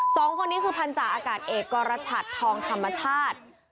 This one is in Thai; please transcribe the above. สองคนนี้คือพันธาอากาศเอกกรชัดทองธรรมชาติ